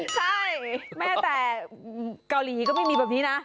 ใช่แม้แต่เกาหลีก็ไม่มีแบบนี้นะ